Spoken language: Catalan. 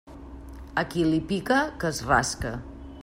A qui li pique, que es rasque.